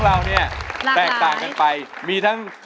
สวัสดีครับคุณผู้ชมทุกท่านที่กำลังรับชมไทยรัฐทีวีช่อง๓๒อยู่นะครับ